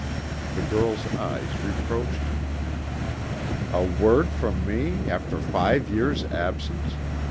The girl's eyes reproached him. "A word from me, after five years' absence?